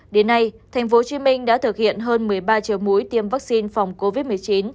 đến nay tp hcm đã thực hiện hơn một mươi ba triệu mũi tiêm vaccine phòng covid một mươi chín